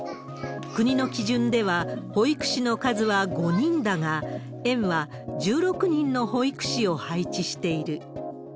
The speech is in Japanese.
国の基準では、保育士の数は５人だが、園は１６人の保育士を配置している。